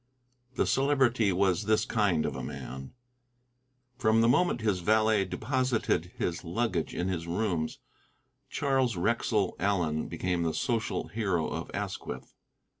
The Celebrity was this kind of a man. From the moment his valet deposited his luggage in his rooms, Charles Wrexell Allen became the social hero of Asquith.